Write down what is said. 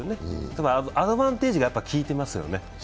ただ、アドバンテージが効いてますよね。